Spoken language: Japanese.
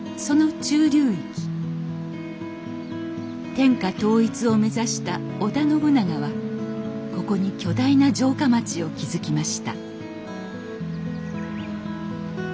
天下統一を目指した織田信長はここに巨大な城下町を築きました